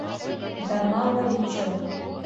Да мало ли чё...